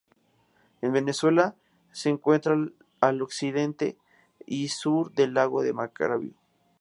En Venezuela, se encuentra al occidente y sur del lago de Maracaibo.